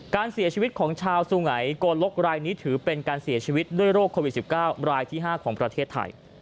การเสียชีวิตของชาวสุงัยโกลกรายนี้ถือเป็นการเสียชีวิตด้วยโรคโควิด๑๙รายที่๕ของประเทศไทย